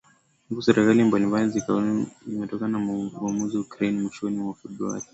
huku serikali mbalimbali zikilaumu hali hiyo imetokana na uvamizi wa Russia nchini Ukraine mwishoni mwa Februari